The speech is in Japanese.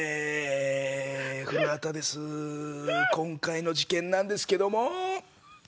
今回の事件なんですけども。